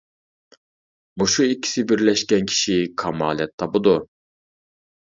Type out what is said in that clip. مۇشۇ ئىككىسى بىرلەشكەن كىشى كامالەت تاپىدۇ.